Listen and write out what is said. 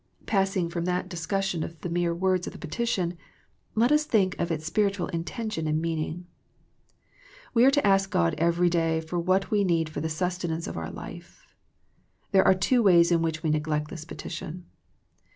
Passing from that discussion of the mere words 92 THE PEACTICE OP PEAYEE of the petition, let us think of its spiritual inten tion and meaning. We are to ask God every day for what we need for the sustenance of our life. There are two ways in which we neglect this pe tition.